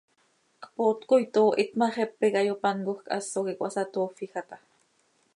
Cpoot coi toohit ma, xepe iiqui hayopáncojc, haso quih cöhasatoofija taa.